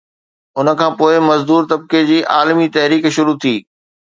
ان کان پوءِ مزدور طبقي جي عالمي تحريڪ شروع ٿي